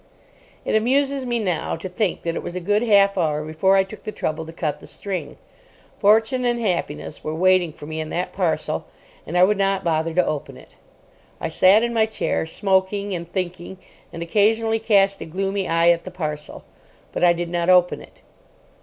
It amuses me now to think that it was a good half hour before I took the trouble to cut the string. Fortune and happiness were waiting for me in that parcel, and I would not bother to open it. I sat in my chair, smoking and thinking, and occasionally cast a gloomy eye at the parcel. But I did not open it.